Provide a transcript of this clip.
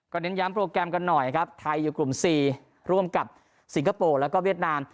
เน้นย้ำโปรแกรมกันหน่อยครับไทยอยู่กลุ่ม๔ร่วมกับสิงคโปร์แล้วก็เวียดนาม